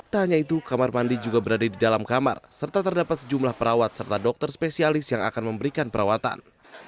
tak hanya itu kamar mandi juga berada di dalam kamar serta terdapat sejumlah perawat serta dokter spesialis yang akan memberikan perawatan